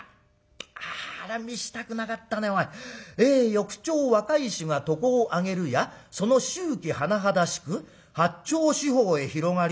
『翌朝若い衆が床を上げるやその臭気甚だしく八町四方へ広がり』。